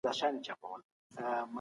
دورکهایم بیولوژیکي دلایل رد کړل.